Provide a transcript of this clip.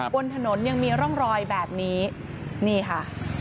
บนถนนยังมีร่องรอยแบบนี้นี่ค่ะ